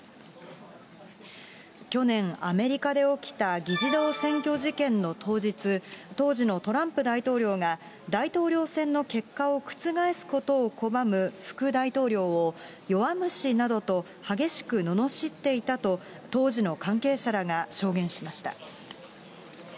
去年、アメリカで起きた議事堂占拠事件の当日、当時のトランプ大統領が大統領選の結果を覆すことを拒む副大統領を、弱虫などと激しくののしっていたと、当時の関係者らが証言しました。